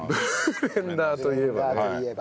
ブレンダーといえばね。